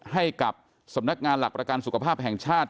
ให้กับสำนักงานหลักประกันสุขภาพแห่งชาติ